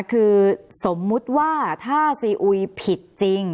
คือสมมุติว่าถ้าซีอุยผิดจริง